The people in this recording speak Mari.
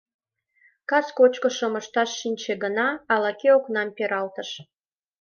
Кас кочкышым ышташ шинче гына — ала-кӧ окнам пералтыш.